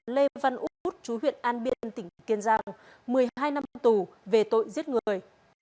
lê văn út chú huyện an biên tỉnh kiên giang một mươi hai năm tù về tội giết người